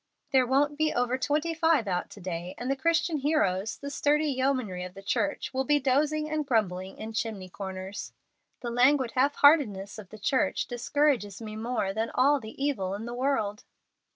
There won't be over twenty five out to day, and the Christian heroes, the sturdy yeomanry of the church, will be dozing and grumbling in chimney corners. The languid half heartedness of the church discourages me more than all the evil in the world."